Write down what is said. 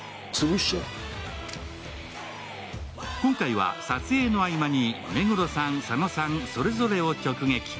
今回は撮影の合間に、目黒さん、佐野さん、それぞれを直撃。